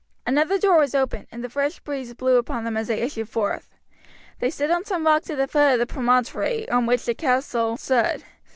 Another door was opened, and the fresh breeze blew upon them as they issued forth. They stood on some rocks at the foot of the promontory on which the castle stood.